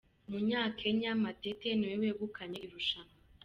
Umunyakenya Matete niwe wegukanye irushanwa